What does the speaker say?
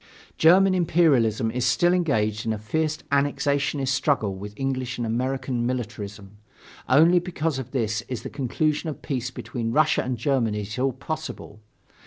German imperialism is still engaged in a fierce annexationist struggle with English and American militarism. Only because of this is the conclusion of peace between Russia and Germany at all possible.